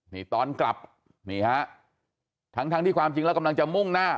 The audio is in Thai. นี่ตอนกลับนี่ฮะทั้งที่ความจริงแล้วกำลังจะมุ่งหน้า